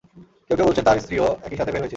কেউ কেউ বলেছেন, তার স্ত্রীও একই সাথে বের হয়েছিল।